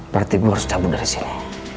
berarti gue harus cabut dari sini